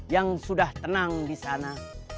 yang sudah tenang di sana